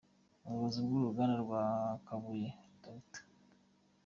Umuyobozi w’Uruganda rwa Kabuye, Dr K.